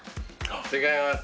違います。